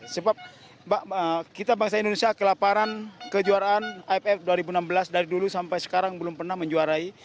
sebab kita bangsa indonesia kelaparan kejuaraan iff dua ribu enam belas dari dulu sampai sekarang belum pernah menjuarai